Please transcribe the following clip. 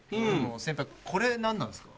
先輩これ何なんですか？